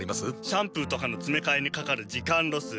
シャンプーとかのつめかえにかかる時間ロス。